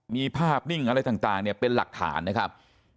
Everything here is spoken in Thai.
มีภาพนิ่งอะไรต่างเนี่ยเป็นหลักฐานนะครับ